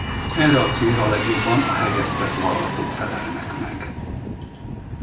Erre a célra legjobban a hegesztett varratok felelnek meg.